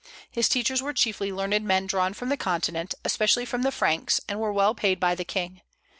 His teachers were chiefly learned men drawn from the continent, especially from the Franks, and were well paid by the king.